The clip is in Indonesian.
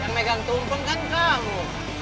megang tumpeng kan kamu